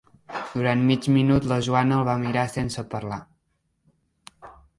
Durant mig minut la Joana el va mirar sense parlar.